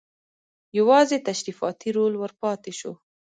یوازې تشریفاتي رول ور پاتې شو.